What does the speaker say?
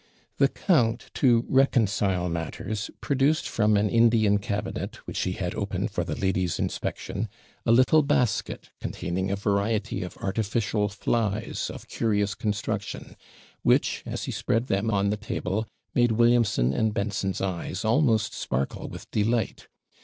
The count, to reconcile matters, produced from an Indian cabinet, which he had opened for the lady's inspection, a little basket containing a variety of artificial flies of curious construction, which, as he spread them on the table, made Williamson and Benson's eyes almost sparkle with delight.